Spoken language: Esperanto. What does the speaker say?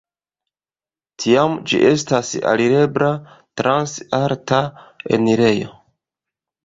Tiam ĝi estas alirebla trans alta enirejo.